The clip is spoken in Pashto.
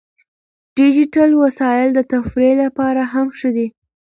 ډیجیټل وسایل د تفریح لپاره هم ښه دي.